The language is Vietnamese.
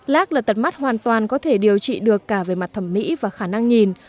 lác là tật mắt hoàn toàn có thể điều trị được cả về mặt thẩm mỹ và khả năng nhìn